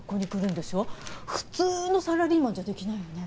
普通のサラリーマンじゃできないよね。